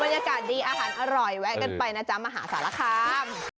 อากาศดีอาหารอร่อยแวะกันไปนะจ๊ะมหาสารคาม